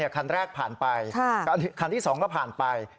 คันแรกผ่านไปคันที่๒ก็ผ่านไป